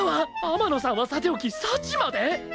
天野さんはさておき幸まで！？